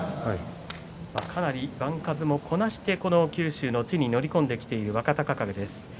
かなり番数もこなしてこの九州の地に乗り込んできている若隆景です。